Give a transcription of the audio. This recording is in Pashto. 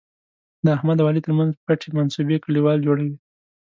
د احمد او علي تر منځ پټې منصوبې کلیوال جوړوي.